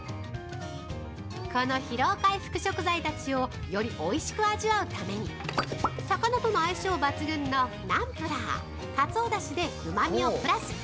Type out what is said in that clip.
◆この疲労回復食材たちをよりおいしく味わうために魚との相性抜群のナンプラー、カツオだしでうまみをプラス！